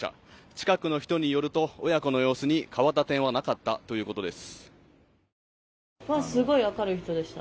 近くの人によると親子の様子に変わった点はなかったということです。